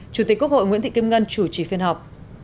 chủ tịch quốc hội nguyễn thị kim ngân chủ trì phiên họp